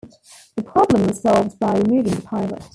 The problem was solved by removing the pilot.